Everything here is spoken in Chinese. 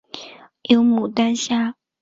有牡丹虾